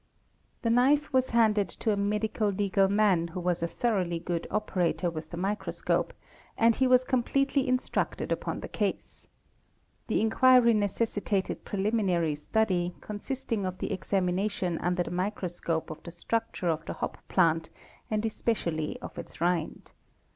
The knife was handed to a medico legal man who was a thoroughly good operator with the microscope, and he was completely instructed upon the case. The inquiry necessitated preliminary study, consisting of the examination under the microscope of the structure of the hop plant and especially of its rind.